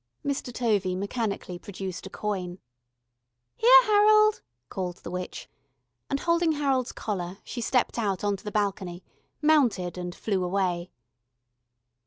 Mr. Tovey mechanically produced a coin. "Here, Harold," called the witch, and holding Harold's collar she stepped out on to the balcony, mounted, and flew away.